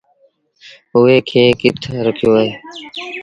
اُئي کي ڪِٿ رکيو اهي؟